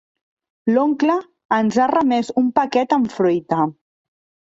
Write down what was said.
L'oncle ens ha remès un paquet amb fruita.